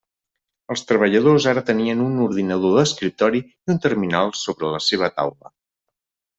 Els treballadors ara tenien un ordinador d'escriptori i un terminal sobre la seva taula.